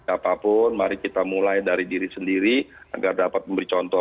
apapun mari kita mulai dari diri sendiri agar dapat memberi contoh